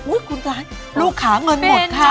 อุ้ยคุณตายลูกขาเงินหมดค่ะ